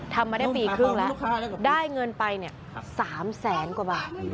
ทำมาได้ปีครึ่งแล้วได้เงินไป๓แสนกว่าบาท